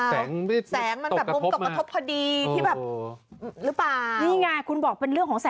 แสงมันมุมกลับกระทบพอดีหรือเปล่า